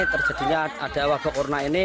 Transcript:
terjadinya ada wabah corona ini